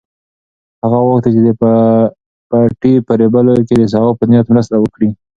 هغه غوښتل چې د پټي په رېبلو کې د ثواب په نیت مرسته وکړي.